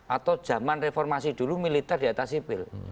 atau zaman reformasi dulu militer di atas sipil